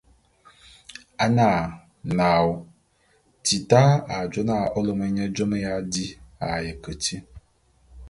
A na, naôô ! Tita a jô na ô lôme nye jôme ya di a ye keti.